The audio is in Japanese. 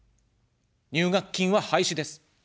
入学金は廃止です。